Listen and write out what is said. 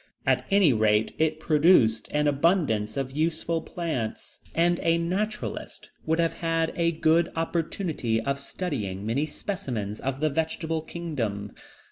At any rate, it produced an abundance of useful plants, and a naturalist would have had a good opportunity of studying many specimens of the vegetable kingdom.